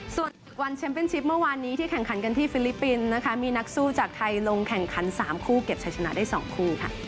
ส่วนวันแชมป์เป็นชิปเมื่อวานนี้ที่แข่งขันกันที่ฟิลิปปินส์นะคะมีนักสู้จากไทยลงแข่งขัน๓คู่เก็บชัยชนะได้๒คู่ค่ะ